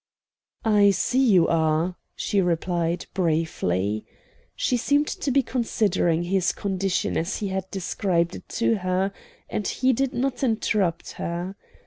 "I see you are," she replied, briefly. She seemed to be considering his condition as he had described it to her, and he did not interrupt her.